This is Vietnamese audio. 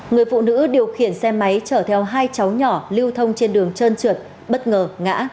người phụ nữ điều khiển xe máy chở theo hai cháu nhỏ lưu thông trên đường trơn trượt bất ngờ ngã